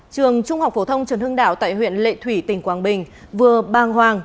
trường trung học phổ thông trần hưng đạo tại huyện lệ thủy tỉnh quang bình vừa bàng hoàng